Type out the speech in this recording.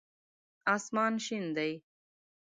اسمان شین دی